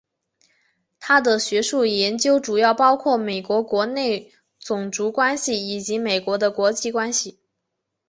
他的学术研究主要包括美国国内种族关系以及美国的国际关系。